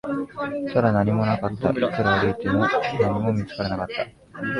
ただ、何もなかった、いくら歩いても、何も見つからなかった